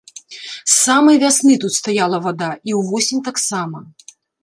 З самай вясны тут стаяла вада, і ўвосень таксама.